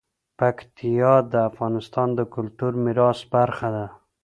پکتیا د افغانستان د کلتوري میراث برخه ده.